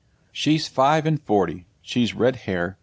She's five and forty. She's red hair.